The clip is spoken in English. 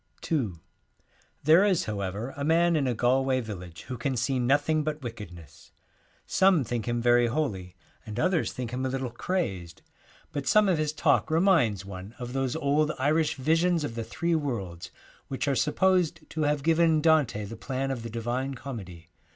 ii There is, however, a man in a Galway village who can see nothing but wicked ness. Some think him very holy, and others think him a little crazed, but some 74 of his talk reminds one of those old Happy and Irish visions of the Three Worlds, which Theologians. are supposed to have given Dante the plan of the Divine Comedy.